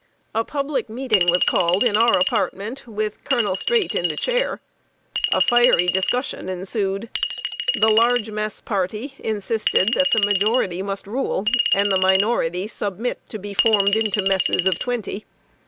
A public meeting was called in our apartment, with Colonel Streight in the chair. A fiery discussion ensued. The large mess party insisted that the majority must rule, and the minority submit to be formed into messes of twenty.